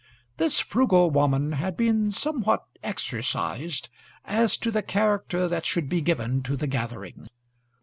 This frugal woman had been somewhat exercised as to the character that should be given to the gathering.